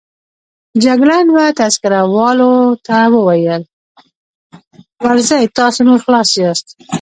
جګړن وه تذکره والاو ته وویل: ورځئ، تاسو نور خلاص یاست.